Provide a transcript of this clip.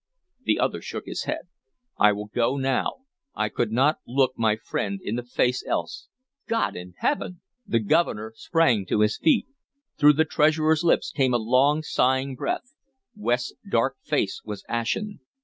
The other shook his head. "I will go now. I could not look my friend in the face else God in heaven!" The Governor sprang to his feet; through the Treasurer's lips came a long, sighing breath; West's dark face was ashen.